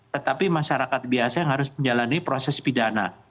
tetapi masyarakat biasa yang harus menjalani proses pidana